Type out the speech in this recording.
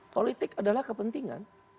politik adalah kepentingan